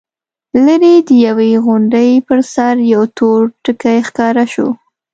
ليرې د يوې غونډۍ پر سر يو تور ټکی ښکاره شو.